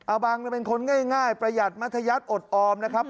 บังเป็นคนง่ายประหยัดมัธยัติอดออมนะครับ